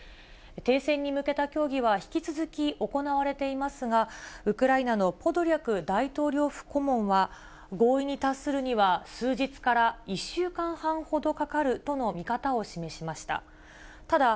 停戦に向けた協議は、引き続き行われていますが、ウクライナのポドリャク大統領府顧問は、合意に達するには、数日から１週間半ほどかかるとの見方を示しました。